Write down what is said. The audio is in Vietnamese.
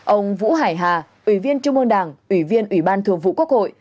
ông vũ hải hà ủy viên trung ương đảng ủy viên ủy ban thường vụ quốc hội